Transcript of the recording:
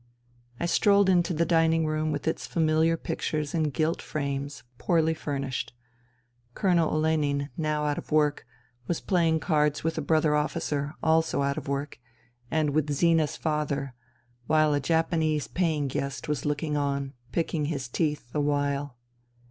I strolled into the dining room with its familiar pictures in gilt frames, poorly furnished. Colonel Olenin, now out of work, was playing cards with a brother officer, also out of work, and with Zina's father, while a Japanese paying guest was looking NINA 243 on, picking his teeth the while.